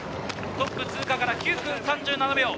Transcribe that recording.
トップの通過から９分３７秒。